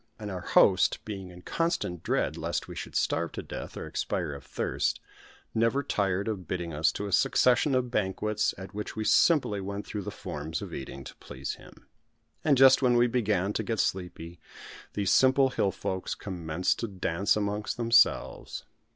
And our host being in constant dread lest we should starve to death or expire of thirst, never tired of bidding us to a succession of banquets at which we simply went through the forms of eating, to please him. And just when we began to get sleepy these simple hill folks commenced to dance amongst themselves.